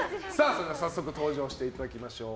早速、登場していただきましょう。